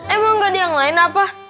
emang gak di yang lain apa